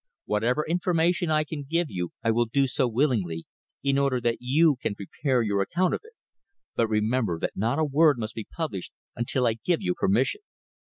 Whatever information I can give you I will do so willingly, in order that you can prepare your account of it, but remember that not a word must be published until I give you permission."